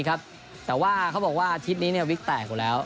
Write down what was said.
แต่ว่าเขาบอกว่าอาทิตย์นี้มียาวิทธิ์แตกเขาเลย